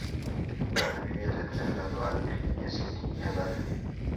La familia se trasladó a Virginia City, Nevada.